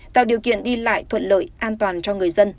tạo điều kiện đi lại thuận lợi an toàn cho người dân